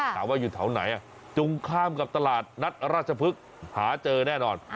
ถามว่าอยู่แถวไหนตรงข้ามกับตลาดนัดราชพฤกษ์หาเจอแน่นอน